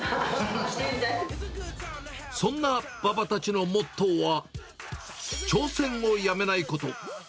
そんなババたちのモットーは、挑戦をやめないこと。